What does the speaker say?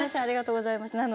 ありがとうございます。